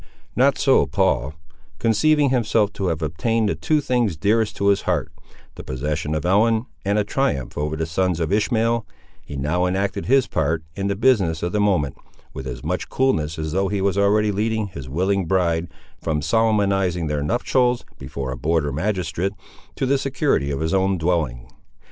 Not so Paul; conceiving himself to have obtained the two things dearest to his heart, the possession of Ellen and a triumph over the sons of Ishmael, he now enacted his part, in the business of the moment, with as much coolness as though he was already leading his willing bride, from solemnising their nuptials before a border magistrate, to the security of his own dwelling.